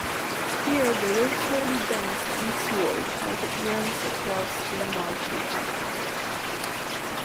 Here, the road slowly bends eastward as it runs across the marshy island.